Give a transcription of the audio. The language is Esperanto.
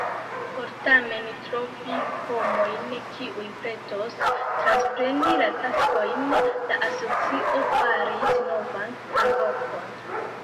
Por tamen trovi homojn kiuj pretos transpreni la taskojn, la asocio faris novan alvokon.